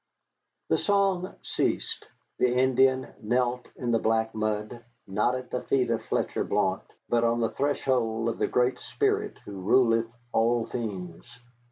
The song ceased. The Indian knelt in the black mud, not at the feet of Fletcher Blount, but on the threshold of the Great Spirit who ruleth all things.